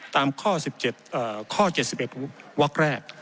ตามข้อ๑๗ข้อ๗๑วักแรก